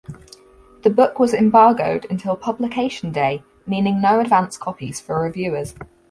The book was embargoed until publication day-meaning no advance copies for reviewers.